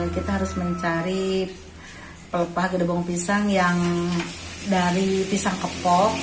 kita harus mencari pelupah gedung bonggol pisang yang dari pisang kepok